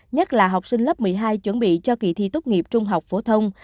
nhất là học sinh lớp một mươi hai chuẩn bị cho kỳ thi tốt nghiệp trung học phổ thông